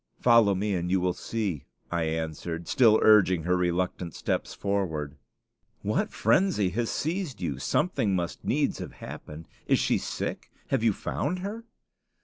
"Follow me and you will see," I answered, still urging her reluctant steps forward. "What frenzy has seized you? Something must needs have happened. Is she sick? Have you found her?"